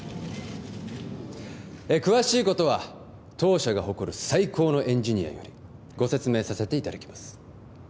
詳しいことは当社が誇る最高のエンジニアよりご説明させていただきます